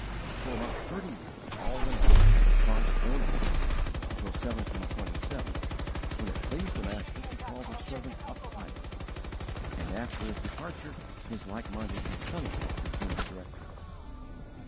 For about thirty years all went on under Francke's own eyes, until 1727, when it pleased the Master to call the servant up higher; and after his departure his like minded son in law became the director.